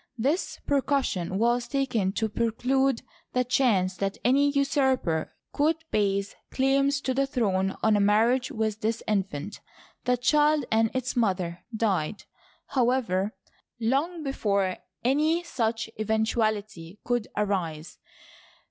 This precaution was taken to preclude the chance that any usurper could base claims to the throne on a mar riage with this infant. The child and its mother died, however, long before any such eventuality could arise.